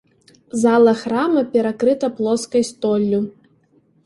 Зала храма перакрыта плоскай столлю.